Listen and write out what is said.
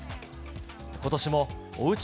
ことしもおうち